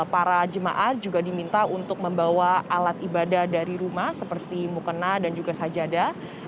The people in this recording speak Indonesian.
para jemaah juga diminta untuk membawa alat ibadah dari rumah seperti mukena dan juga sajadah